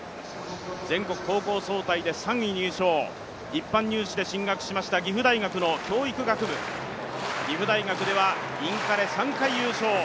全国高校総体で３位入賞、一般入試で進学しました岐阜大学の教育学部岐阜大学ではインカレ３回優勝。